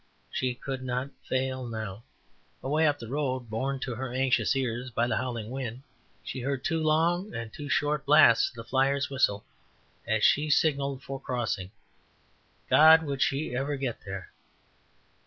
she could not fail now. Away up the road, borne to her anxious ears by the howling wind, she heard two long and two short blasts of the flyer's whistle as she signalled for a crossing. God! would she ever get there.